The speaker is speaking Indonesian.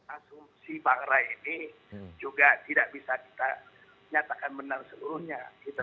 asumsi bang rai ini juga tidak bisa kita nyatakan benar seluruhnya